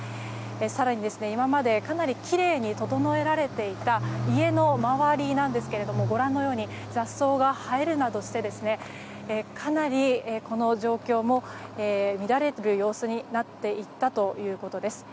更に、今までかなりきれいに整えられていた家の周りなんですけれどもご覧のように雑草が生えるなどしてかなりこの状況も乱れる様子になっていったということです。